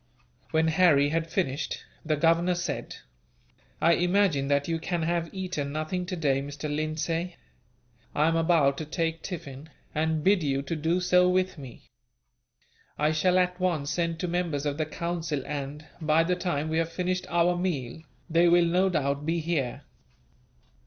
When Harry had finished, the Governor said: "I imagine that you can have eaten nothing today, Mr. Lindsay. I am about to take tiffin, and bid you do so with me. I shall at once send to members of the Council and, by the time we have finished our meal, they will no doubt be here."